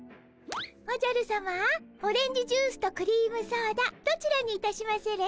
おじゃるさまオレンジジュースとクリームソーダどちらにいたしまする？